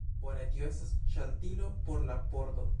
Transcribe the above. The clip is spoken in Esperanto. Bone. Tio estas ŝaltilo por la pordo.